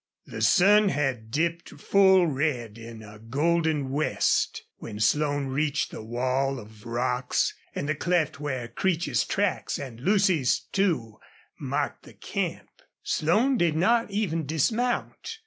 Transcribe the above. The sun had dipped full red in a golden west when Slone reached the wall of rocks and the cleft where Creech's tracks and Lucy's, too, marked the camp. Slone did not even dismount.